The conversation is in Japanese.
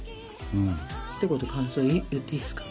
ひと言感想言っていいですか？